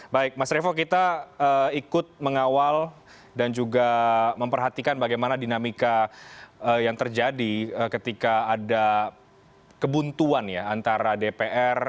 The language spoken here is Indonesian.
baik mas revo kita ikut mengawal dan juga memperhatikan bagaimana dinamika yang terjadi ketika ada kebuntuan ya antara dpr